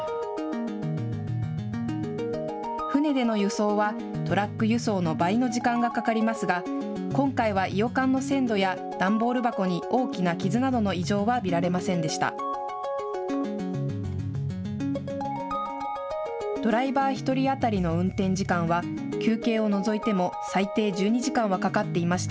船での輸送はトラック輸送の倍の時間がかかりますが、今回はいよかんの鮮度や段ボール箱に大きな傷などの異常は見られませんでした。